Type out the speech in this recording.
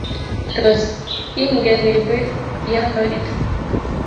Tos, ingen ipiir pianoit?